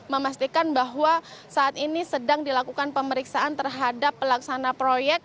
memastikan bahwa saat ini sedang dilakukan pemeriksaan terhadap pelaksana proyek